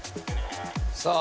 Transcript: さあ。